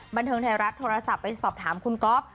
บันเทิงไทยรัฐโทรศัพท์ไปสอบถามคุณก๊อฟ